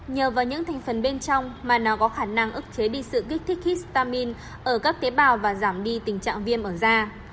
nhờ vào những thành phần bên trong mà nó có khả năng ức chế đi sự kích thích histamin ở các tế bào và giảm đi tình trạng viêm ở da